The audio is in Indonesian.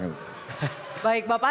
baik bapak silahkan